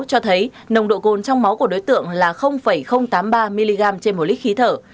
cho thấy nồng độ cồn trong máu của đối tượng là tám mươi ba mg trên một lít khí thở